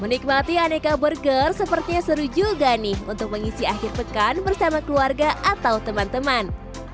menikmati aneka burger sepertinya seru juga nih untuk mengisi akhir pekan bersama keluarga atau teman teman